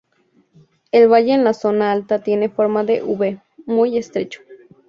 El valle en la zona alta tiene forma de V, muy estrecho.